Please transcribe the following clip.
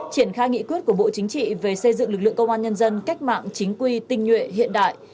triển khai nghị quyết của bộ chính trị về xây dựng lực lượng công an nhân dân cách mạng chính quy tinh nhuệ hiện đại